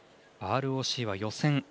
ＲＯＣは予選